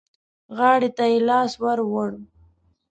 غاړې ته يې لاس ور ووړ.